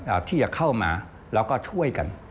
ที่จะเข้ามาแล้วก็ช่วยกัน